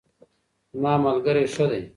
زما ملګرۍ ښه دی